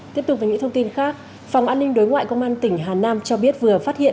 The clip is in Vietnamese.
tiếp tục với những thông tin khác phòng an ninh đối ngoại công an tỉnh hà nam cho biết vừa phát hiện